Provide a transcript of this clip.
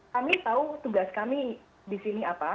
kami tahu tugas kami disini apa